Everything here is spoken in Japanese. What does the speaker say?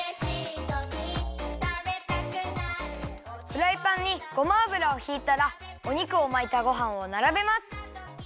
フライパンにごま油をひいたらお肉を巻いたごはんをならべます。